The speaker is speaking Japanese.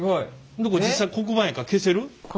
これ実際黒板やから消せる？